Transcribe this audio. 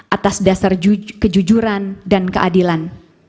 atas dasar kejujuran dan keadilan